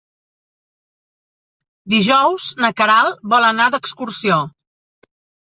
Dijous na Queralt vol anar d'excursió.